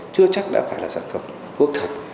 chưa chắc đã phải là sản phẩm thuốc thật